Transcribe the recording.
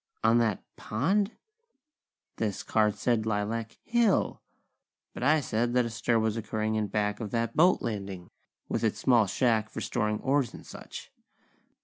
On that pond? This card said Lilac Hill! But I said that a stir was occurring in back of that boat landing, with its small shack for storing oars and such.